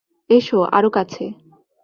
S, আরও কাছে।